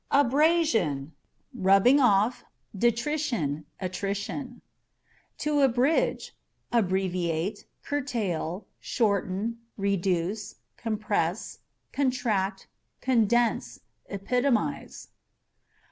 Abrasion â€" rubbing off, detrition, attrition. To Abridge â€" abbreviate, curtail, shorten, reduce, compres contract, condense, epitomize.